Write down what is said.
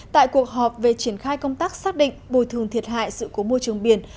tại cuộc họp về triển khai công tác xác định bồi thường thiệt hại sự cố môi trường biển